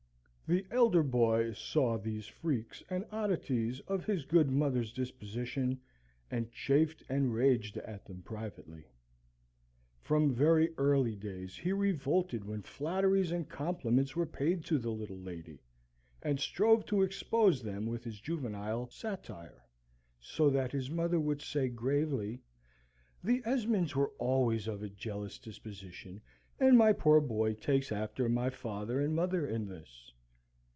The elder boy saw these freaks and oddities of his good mother's disposition, and chafed and raged at them privately. From very early days he revolted when flatteries and compliments were paid to the little lady, and strove to expose them with his juvenile satire; so that his mother would say gravely, "The Esmonds were always of a jealous disposition, and my poor boy takes after my father and mother in this."